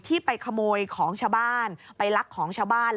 ไปขโมยของชาวบ้านไปลักของชาวบ้าน